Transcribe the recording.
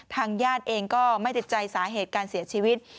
ทางญาติเองก็ไม่ติดใจสาเหตุการเสียชีวิต